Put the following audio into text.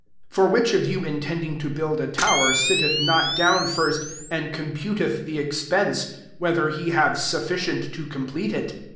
28 For which of you, intend ing to build a tower, sitteth not down first, and computeth the expense, whether he have ««f/* Jkttnt to complete it